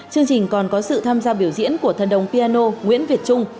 chương trình còn có sự tham gia biểu diễn của thần đồng piano nguyễn việt trung